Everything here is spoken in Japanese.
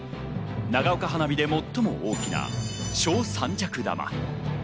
長岡花火で最も大きな正三尺玉。